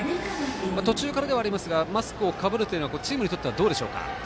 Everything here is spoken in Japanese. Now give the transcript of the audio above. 途中からではありますがマスクをかぶるのはチームにとってはどうでしょうか。